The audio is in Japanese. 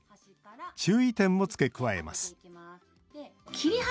注意点も付け加えます切り端